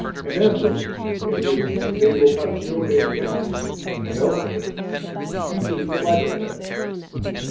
14 And Ambrose, in his De Vocatione Gentium, and elsewhere, teaches to like effect.